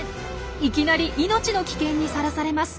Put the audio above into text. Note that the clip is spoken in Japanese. いきなり命の危険にさらされます。